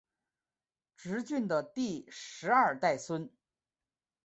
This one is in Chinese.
挚峻的第十二代孙。